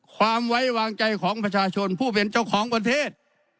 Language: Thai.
ความไว้วางใจของประชาชนผู้เป็นเจ้าของประเทศ